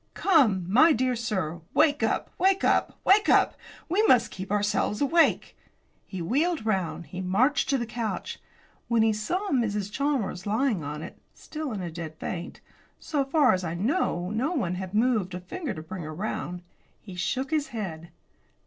"Come, my dear sir, wake up, wake up, wake up! We must keep ourselves awake." He wheeled round; he marched to the couch. When he saw Mrs. Chalmers lying on it, still in a dead faint so far as I know no one had moved a finger to bring her round he shook his head.